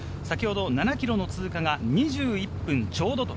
７ｋｍの通過は２１分ちょうど。